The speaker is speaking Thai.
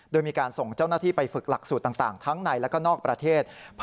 โดยมีการส่งเจ้าหน้าที่ไปฝึกหลักสูตรต่างทั้งในและก็นอกประเทศ